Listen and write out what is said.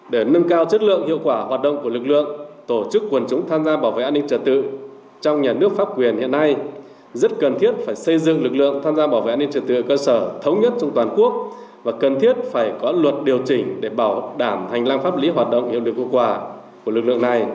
để nâng cao chất lượng hiệu quả hoạt động của lực lượng tổ chức quần chúng tham gia bảo vệ an ninh trật tự trong nhà nước pháp quyền hiện nay rất cần thiết phải xây dựng lực lượng tham gia bảo vệ an ninh trật tự ở cơ sở thống nhất trong toàn quốc và cần thiết phải có luật điều chỉnh để bảo đảm hành lang pháp lý hoạt động hiệu lực hiệu quả của lực lượng này